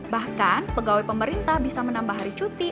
bahkan pegawai pemerintah bisa menambah hari cuti